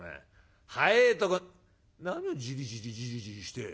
早えとこ何をじりじりじりじりして。